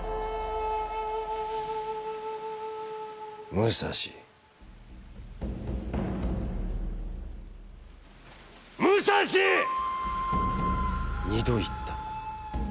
「『武蔵』『』『武蔵っ！』二度いった。